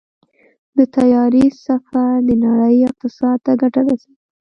د طیارې سفر د نړۍ اقتصاد ته ګټه رسوي.